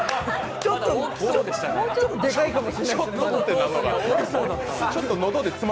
ちょっとでかいかもしれないです